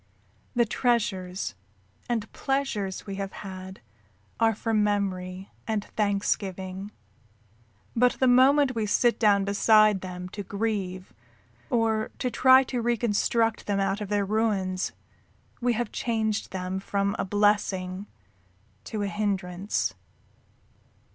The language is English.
The treasures and pleasures we have had are for memory and thanksgiving, but the moment we sit down beside them to grieve or to try to reconstruct them out of their ruins we have changed them from a blessing to a hindrance.